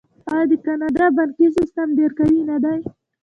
آیا د کاناډا بانکي سیستم ډیر قوي نه دی؟